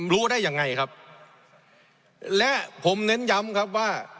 รู้ได้ยังไงครับและผมเน้นย้ำครับว่า